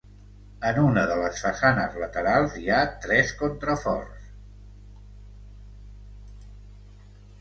En una de les façanes laterals hi ha tres contraforts.